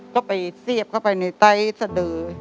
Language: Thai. ก็ไปเสียบเข้าไปในไต้สดือ